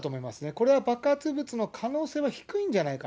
これは爆発物の可能性は低いんじゃないか。